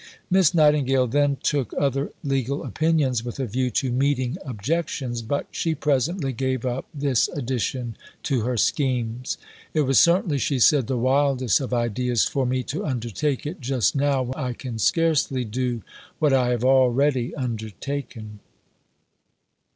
Miss Nightingale then took other legal opinions with a view to meeting objections; but she presently gave up this addition to her schemes. "It was certainly," she said, "the wildest of ideas for me to undertake it just now when I can scarcely do what I have already undertaken."